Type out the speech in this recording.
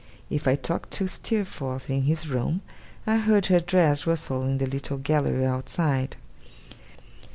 If I talked to Steerforth in his room, I heard her dress rustle in the little gallery outside.